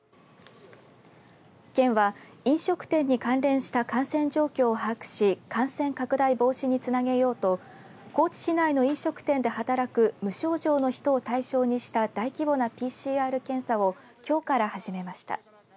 県は飲食店に関連した感染状況を把握し感染拡大防止につなげようと高知市内の飲食店で働く無症状の人を対象にした大規模なＰＣＲ検査をきょうから始めました。